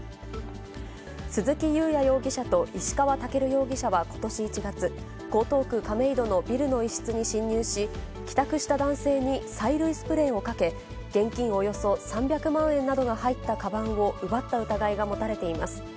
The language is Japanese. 鈴木雄也容疑者と石川健容疑者は、ことし１月、江東区亀戸のビルの一室に侵入し、帰宅した男性に催涙スプレーをかけ、現金およそ３００万円などが入ったかばんを奪った疑いが持たれています。